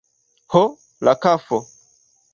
Ho, la kafo!